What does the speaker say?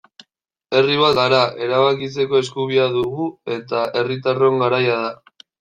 Herri bat gara, erabakitzeko eskubidea dugu eta herritarron garaia da.